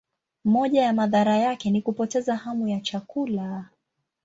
Moja ya madhara yake ni kupoteza hamu ya chakula.